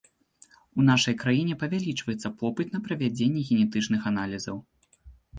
У нашай краіне павялічваецца попыт на правядзенне генетычных аналізаў.